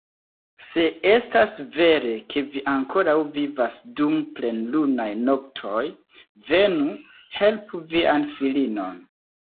Se estas vere ke vi ankoraŭ vivas dum plenlunaj noktoj, venu, helpu vian filinon!